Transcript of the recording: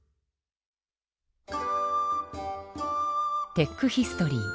テックヒストリー。